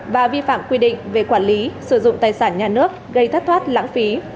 và vi phạm quy định về quản lý sử dụng tài sản nhà nước gây thất thoát lãng phí